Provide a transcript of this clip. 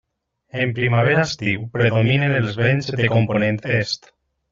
En primavera-estiu predominen els vents de component est.